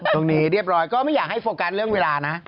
ก็คือปล่อยไหลในการครบกันทรีย์เพิร์ส